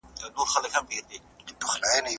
د لویې جرګي په ترڅ کي خلګ څه احساس کوي؟